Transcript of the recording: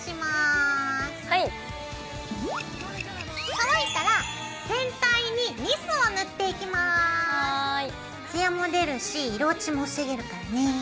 乾いたら全体にツヤも出るし色落ちも防げるからね。